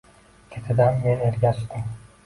Ketidan men ergashdim.